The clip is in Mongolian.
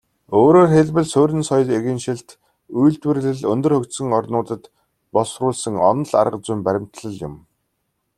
Өөрөөр хэлбэл, суурин соёл иргэншилт, үйлдвэрлэл өндөр хөгжсөн орнуудад боловсруулсан онол аргазүйн баримтлал юм.